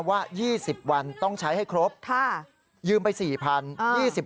ว่า๒๐วันต้องใช้ให้ครบยืมไป๔๐๐บาท